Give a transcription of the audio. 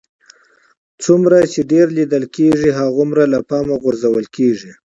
څومره چې ډېر لیدل کېږئ هغومره له پامه غورځول کېږئ